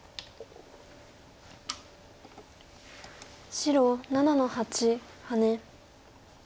白７の八ハネ。